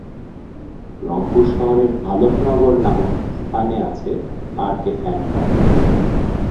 রংপুর শহরের আলম নগর নামক স্থানে আছে আর, কে ফ্যান কারখানা।